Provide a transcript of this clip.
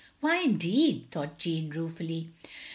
" "Why, indeed?*' thought Jeanne, ruefully.